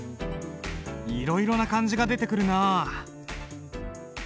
いろいろな漢字が出てくるなあ。